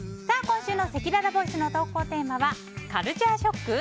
今週のせきららボイスの投稿テーマはカルチャーショック！？